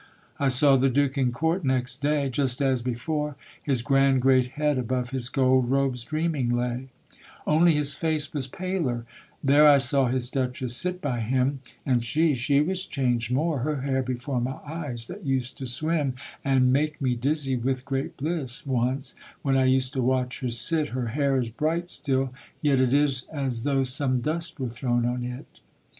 I saw the duke in court next day; Just as before, his grand great head Above his gold robes dreaming lay, Only his face was paler; there I saw his duchess sit by him; And she, she was changed more; her hair Before my eyes that used to swim, And make me dizzy with great bliss Once, when I used to watch her sit, Her hair is bright still, yet it is As though some dust were thrown on it.